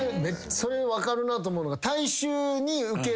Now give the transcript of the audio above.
それ分かるなと思うのが。